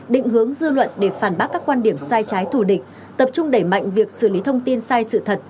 định hướng dư luận để phản bác các quan điểm sai trái thù địch tập trung đẩy mạnh việc xử lý thông tin sai sự thật